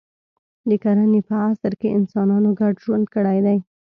د کرنې په عصر کې انسانانو ګډ ژوند کړی دی.